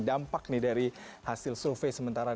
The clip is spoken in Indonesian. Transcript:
jangan lupa subscribe channel ini